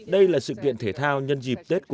đây là sự kiện thể thao nhân dịp tết cổ truyền á đông